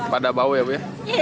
pada bau ya bu ya